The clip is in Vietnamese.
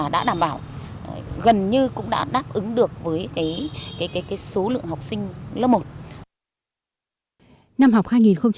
đã đảm bảo gần như cũng đã đáp ứng được với số lượng học sinh lớp một